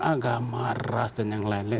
bagaimana kita bisa mengeksploitasi